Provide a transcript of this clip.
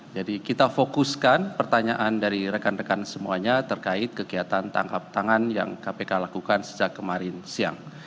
jadi kita fokuskan pertanyaan dari rekan rekan semuanya terkait kegiatan tangkap tangan yang kpk lakukan sejak kemarin siang